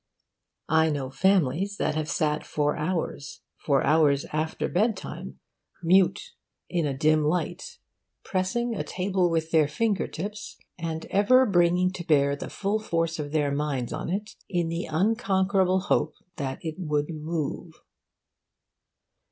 I know families that have sat for hours, for hours after bedtime, mute, in a dim light, pressing a table with their finger tips, and ever bringing to bear the full force of their minds on it, in the unconquerable hope that it would move.